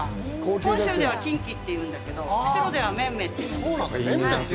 本州ではキンキっていうんだけど釧路ではメンメっていって。